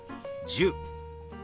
１０。